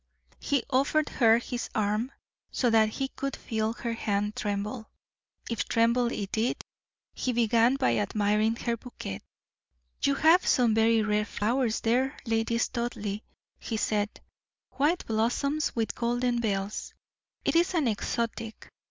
He offered her his arm, so that he could feel her hand tremble, if tremble it did. He began by admiring her bouquet. "You have some very rare flowers there, Lady Studleigh," he said "white blossoms with golden bells; it is an exotic.